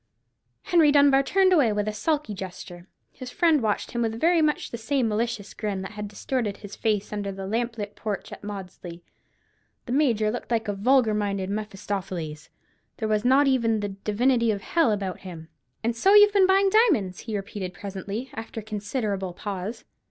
Henry Dunbar turned away with a sulky gesture. His friend watched him with very much the same malicious grin that had distorted his face under the lamp lit porch at Maudesley. The Major looked like a vulgar minded Mephistopheles: there was not even the "divinity of hell" about him. "And so you've been buying diamonds?" he repeated presently, after a considerable pause.